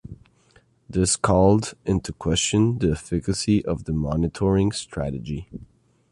This called into question the efficacy of the monitoring strategy.